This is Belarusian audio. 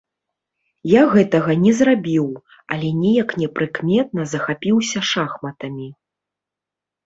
Я гэтага не зрабіў, але неяк непрыкметна захапіўся шахматамі.